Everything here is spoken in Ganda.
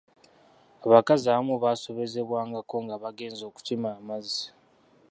Abakazi abamu baasobezebwangako nga bagenze okukima amazzi.